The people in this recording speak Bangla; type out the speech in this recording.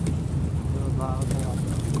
এই উদ্ভট আলোচনা বাদ দাও।